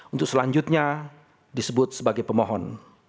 untuk selanjutnya disebut sebagai pemohon